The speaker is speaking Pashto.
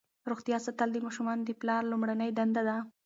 روغتیا ساتل د ماشومانو د پلار لومړنۍ دنده ده.